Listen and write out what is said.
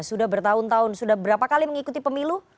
sudah bertahun tahun sudah berapa kali mengikuti pemilu